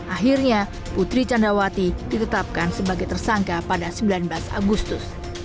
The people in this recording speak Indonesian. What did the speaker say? akhirnya putri candrawati ditetapkan sebagai tersangka pada sembilan belas agustus